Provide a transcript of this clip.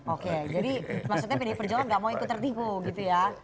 oke jadi maksudnya pdi perjuangan nggak mau ikut tertipu gitu ya